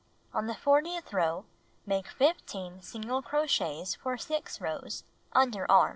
On the fortieth row make 15 single crochets for 6 rows, under arm.